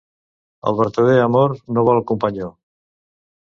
El vertader amor no vol companyó.